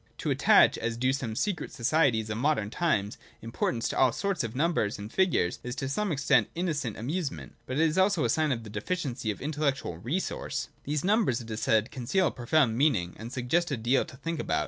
To attach, as do some secret societies of modern times, importance to all sorts of numbers and figures, is to some extent an innocent amusement, but it is also a sign of deficiency of intellectual resource. These numbers, it is said, conceal a profound meaning, and suggest a deal to think about.